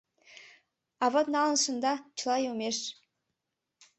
А вот налын шында — чыла йомеш.